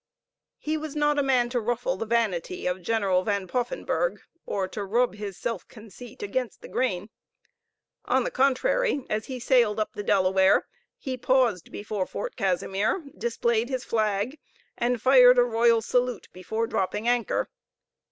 He was not a man to ruffle the vanity of General Van Poffenburgh, or to rub his self conceit against the grain. On the contrary, as he sailed up the Delaware, he paused before Fort Casimir, displayed his flag, and fired a royal salute before dropping anchor.